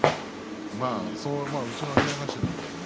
うちの部屋頭なのでね